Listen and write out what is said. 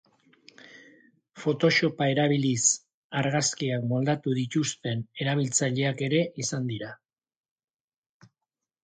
Photoshopa erabiliz argazkiak moldatu dituzten erabiltzaileak ere izan dira.